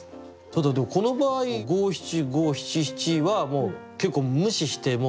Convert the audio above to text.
ただでもこの場合五七五七七はもう結構無視して。